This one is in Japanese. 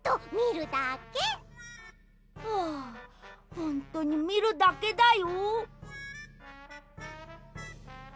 ほんとにみるだけだよ。